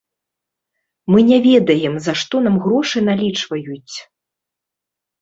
Мы не ведаем, за што нам грошы налічваюць.